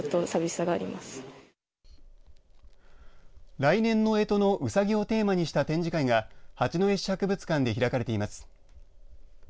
来年のえとのうさぎをテーマにした展示会が八戸市博物館で開かれています。